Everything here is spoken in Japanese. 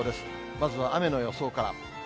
まずは雨の予想から。